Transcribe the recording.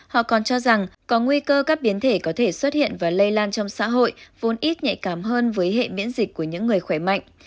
họ còn cho rằng có nguy cơ các biến thể có thể xuất hiện và lây lan trong xã hội vốn ít nhạy cảm hơn với hệ miễn dịch của những người khỏe mạnh